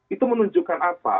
itu menunjukkan apa